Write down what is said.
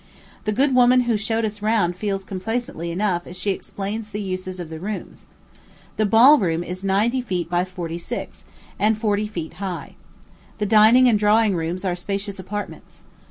The good woman who showed us round feels complacently enough as she explains the uses of the rooms. The ball room is ninety feet by forty six, and forty feet high. The dining and drawing rooms are spacious apartments.